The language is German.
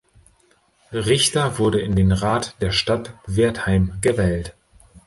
Richter wurde in den Rat der Stadt Wertheim gewählt.